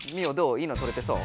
いいのとれてそう？